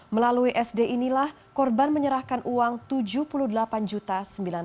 melalui sd inilah korban menyerahkan uang rp tujuh puluh delapan sembilan ratus